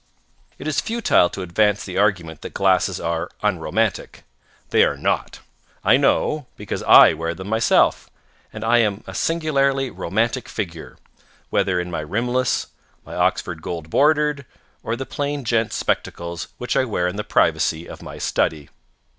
It is futile to advance the argument that glasses are unromantic. They are not. I know, because I wear them myself, and I am a singularly romantic figure, whether in my rimless, my Oxford gold bordered, or the plain gent's spectacles which I wear in the privacy of my study.